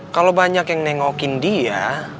kalau banyak yang nengokin dia